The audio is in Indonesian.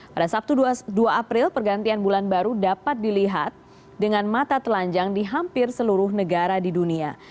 pada sabtu dua april pergantian bulan baru dapat dilihat dengan mata telanjang di hampir seluruh negara di dunia